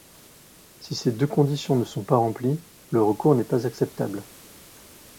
Si ces deux conditions ne sont pas remplies, le recours n'est pas acceptable.